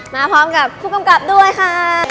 มาพร้อมกับผู้กำกับด้วยค่ะ